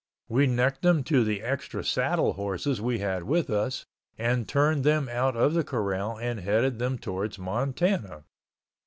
We necked them to the extra saddle horses we had with us and turned them out of the corral and headed them towards Montana.